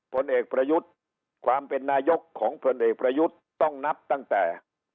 ผลเอกประยุทธ์ความเป็นนายกของพลเอกประยุทธ์ต้องนับตั้งแต่